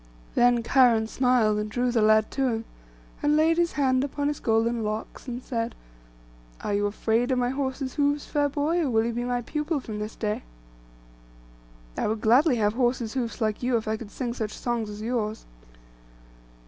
Then Cheiron smiled, and drew the lad to him, and laid his hand upon his golden locks, and said, 'Are you afraid of my horse's hoofs, fair boy, or will you be my pupil from this day?' 'I would gladly have horse's hoofs like you, if I could sing such songs as yours.